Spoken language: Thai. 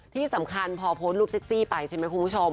ที่สำคัญพอโพสต์รูปเซ็กซี่ไปใช่ไหมคุณผู้ชม